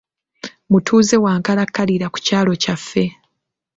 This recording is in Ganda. Mutuuze wa nkalakkalira ku kyalo kyaffe.